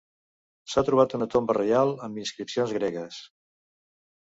S'ha trobat una tomba reial amb inscripcions gregues.